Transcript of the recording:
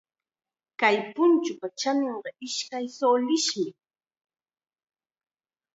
Kay punchupa chaninqa ishkay sulismi.